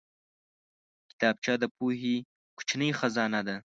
کتابچه د پوهې کوچنۍ خزانه ده